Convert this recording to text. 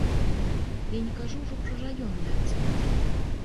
Я не кажу ўжо пра раённыя цэнтры.